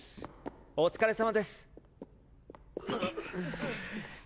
お疲れさまです。っ。